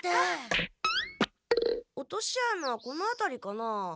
落とし穴はこのあたりかな？